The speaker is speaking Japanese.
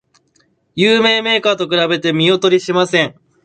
有名メーカーと比べて見劣りしません